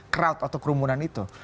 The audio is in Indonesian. crowd atau kerumunan itu